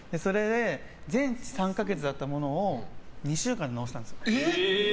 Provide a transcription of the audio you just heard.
全治３か月だったものを２週間で治したんですよ。